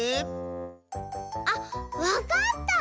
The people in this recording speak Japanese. あっわかった！